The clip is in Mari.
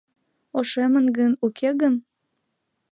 Ошемын гын, уке гын?